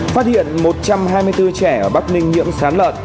phát hiện một trăm hai mươi bốn trẻ ở bắc ninh nhiễm sán lợn